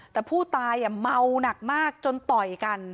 แต่ผู้ตายเมาหนักมากจนต่อยกัน